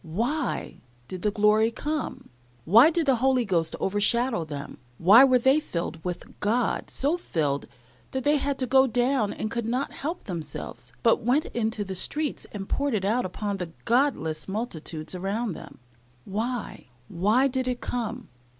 Why did the glory come? Why did the Holy Ghost overshadow them? Why were they filled with God so filled that they had to go down and could not help themselves, but went into the streets and poured it out upon the godless multitudes around them? Why, why did it come?